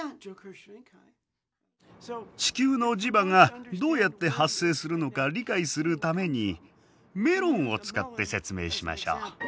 地球の磁場がどうやって発生するのか理解するためにメロンを使って説明しましょう。